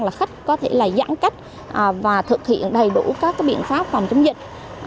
là khách có thể là giãn cách và thực hiện đầy đủ các biện pháp phòng chống dịch